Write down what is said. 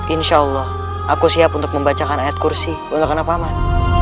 insya allah aku siap untuk membacakan ayat kursi untuk kenapa aman